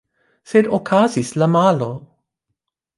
Sed okazis la malo.